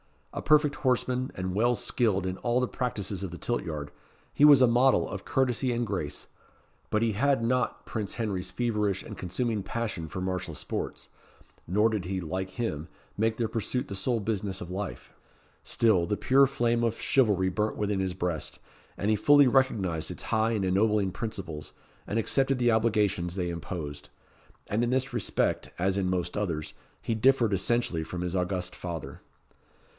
A perfect horseman, and well skilled in all the practices of the tilt yard he was a model of courtesy and grace; but he had not Prince Henry's feverish and consuming passion for martial sports, nor did he, like him, make their pursuit the sole business of life. Still, the pure flame of chivalry burnt within his breast, and he fully recognised its high and ennobling principles, and accepted the obligations they imposed. And in this respect, as in most others, he differed essentially from his august father.